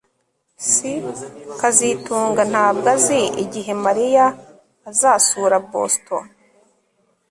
S kazitunga ntabwo azi igihe Mariya azasura Boston